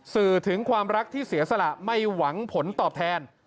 สื่อถึงความรักที่เสียสละไม่หวังผลตอบแทน